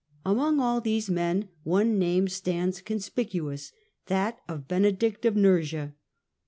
Among ill these men one name stands conspicuous — that of Benedict of Nursia.